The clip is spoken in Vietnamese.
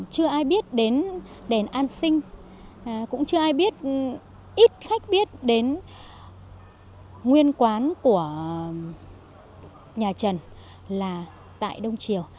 chưa ai biết đến đèn an sinh cũng chưa ai biết ít khách biết đến nguyên quán của nhà trần là tại đông triều